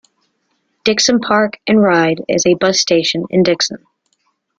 Dixon Park and Ride is a bus station in Dixon.